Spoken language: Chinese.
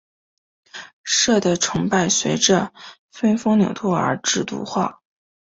社的崇拜随着分封领土而制度化。